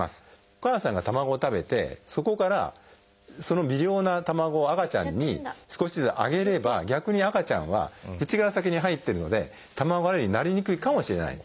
お母さんが卵を食べてそこからその微量な卵を赤ちゃんに少しずつあげれば逆に赤ちゃんは口から先に入ってるので卵アレルギーになりにくいかもしれない。